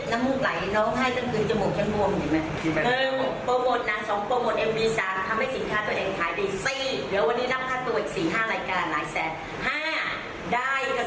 ฉันไม่ได้กันทำเขาอะฉันเล่นกับเขา